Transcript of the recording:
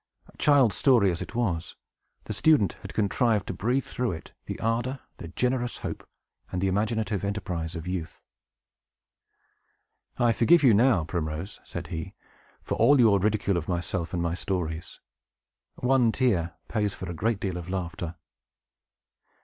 Child's story as it was, the student had contrived to breathe through it the ardor, the generous hope, and the imaginative enterprise of youth. "I forgive you, now, Primrose," said he, "for all your ridicule of myself and my stories. One tear pays for a great deal of laughter."